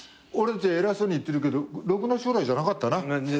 俺たち偉そうに言ってるけどろくな将来じゃなかったな。